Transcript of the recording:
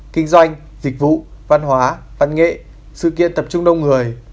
kinh doanh dịch vụ văn hóa văn nghệ sự kiện tập trung đông người